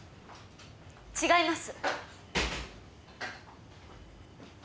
違います。